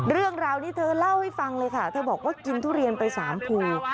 เรื่องราวนี้เธอเล่าให้ฟังเลยค่ะเธอบอกว่ากินทุเรียนไป๓ภู